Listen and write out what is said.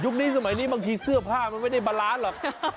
นี้สมัยนี้บางทีเสื้อผ้ามันไม่ได้บาลานซ์หรอก